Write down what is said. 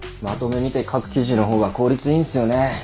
まとめ見て書く記事の方が効率いいんすよね。